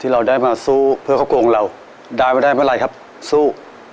เราได้มาสู้เพื่อครอบครัวของเราได้มาได้เมื่อไหร่ครับสู้